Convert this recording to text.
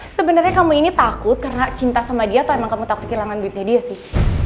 sebenarnya kamu ini takut karena cinta sama dia tuh emang kamu takut kehilangan duitnya dia sih